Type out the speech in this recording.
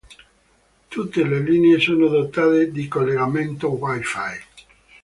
Tutte le linee sono dotate di collegamento Wi-Fi.